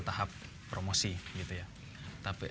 tahap promosi gitu ya